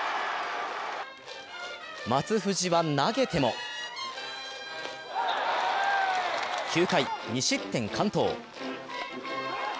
松藤は投げても９回、２失点完投。